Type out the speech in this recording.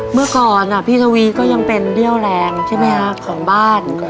เมื่อก่อนพี่ทวีก็ยังเป็นเรี่ยวแรงใช่ไหมฮะของบ้าน